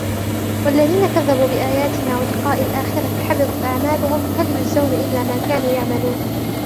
وَالَّذِينَ كَذَّبُوا بِآيَاتِنَا وَلِقَاءِ الْآخِرَةِ حَبِطَتْ أَعْمَالُهُمْ هَلْ يُجْزَوْنَ إِلَّا مَا كَانُوا يَعْمَلُونَ